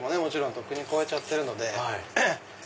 とっくに超えちゃってるので。